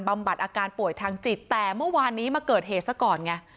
บัดอาการป่วยทางจิตแต่เมื่อวานนี้มาเกิดเหตุซะก่อนไง